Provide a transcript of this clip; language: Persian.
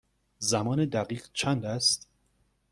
زمان دقیق چند است؟